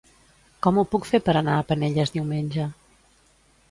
Com ho puc fer per anar a Penelles diumenge?